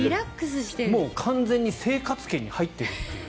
もう完全に生活圏に入っているという。